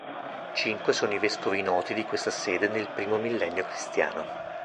Cinque sono i vescovi noti di questa sede nel primo millennio cristiano.